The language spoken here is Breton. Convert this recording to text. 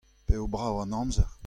p'eo brav an amzer.